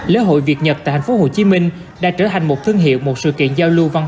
lễ hội việt nhật tại thành phố hồ chí minh đã trở thành một thương hiệu một sự kiện giao lưu văn